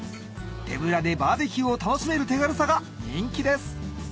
手ぶらでバーベキューを楽しめる手軽さが人気です